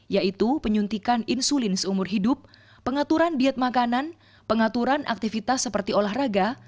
yaitu penyuntikan insulin seumur hidup pengaturan diet makanan pengaturan aktivitas seperti olahraga